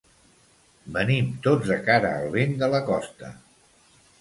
Venim tots de cara al vent de la costa.